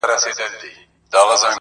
دا عجيبه ده د سوق اور يې و لحد ته وړئ~